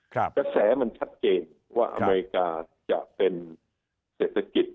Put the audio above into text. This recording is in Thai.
กระแสมันชัดเจนว่าอเมริกาจะเป็นเศรษฐกิจ